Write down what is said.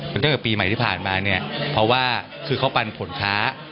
เหมือนกับปีใหม่ที่ผ่านมาเพราะว่าคือเขาปันผลค้า